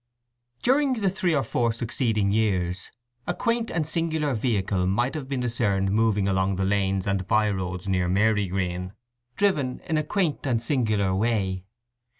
V During the three or four succeeding years a quaint and singular vehicle might have been discerned moving along the lanes and by roads near Marygreen, driven in a quaint and singular way.